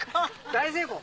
大成功！